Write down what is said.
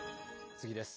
次です。